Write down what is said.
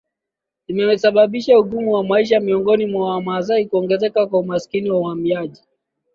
zimesababisha ugumu wa maisha miongoni mwa Wamasai kuongezeka kwa umaskini na uhamiaji